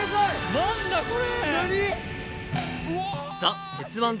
何だこれ！